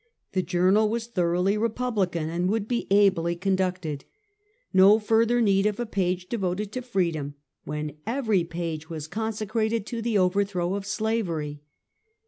The Journal was thoroughly Republican, and would be ably conducted. ISTo further need of a page devoted to freedom, when every page was consecrated to the overthrow of slavery.